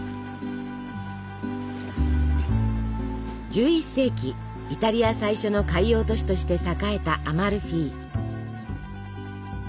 １１世紀イタリア最初の海洋都市として栄えたアマルフィ。